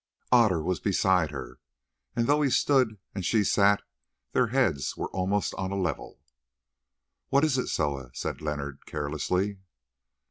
Otter was beside her, and though he stood and she sat, their heads were almost on a level. "What is it, Soa?" said Leonard carelessly.